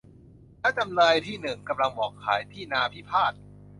แล้วจำเลยที่หนึ่ง กำลังบอกขายที่นาพิพาท